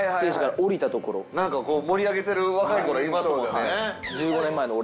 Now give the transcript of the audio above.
何かこう盛り上げてる若い子らいますもんね。